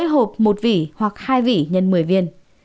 hai hộp một vỉ hoặc hai vỉ x một mươi viên